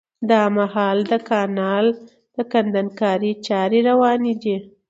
دا مهال د کانال د کندنکارۍ چاري رواني دي